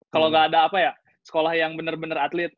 kalau gak ada apa ya sekolah yang bener bener atlet